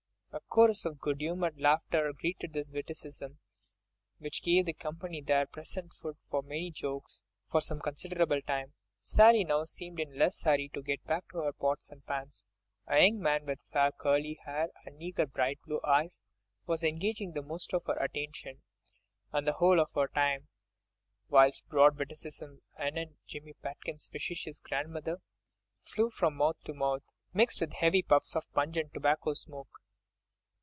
A chorus of good humoured laughter greeted this witticism, which gave the company there present food for many jokes, for some considerable time. Sally now seemed in less of a hurry to get back to her pots and pans. A young man with fair curly hair, and eager, bright blue eyes, was engaging most of her attention and the whole of her time, whilst broad witticisms anent Jimmy Pitkin's fictitious grandmother flew from mouth to mouth, mixed with heavy puffs of pungent tobacco smoke.